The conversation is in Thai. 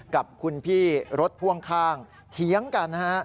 กับคุณพี่รถพ่วงข้างเถียงกันนะฮะ